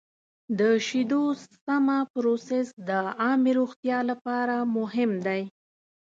د شیدو سمه پروسس د عامې روغتیا لپاره مهم دی.